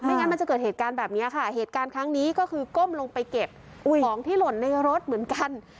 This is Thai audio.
งั้นมันจะเกิดเหตุการณ์แบบนี้ค่ะเหตุการณ์ครั้งนี้ก็คือก้มลงไปเก็บของที่หล่นในรถเหมือนกัน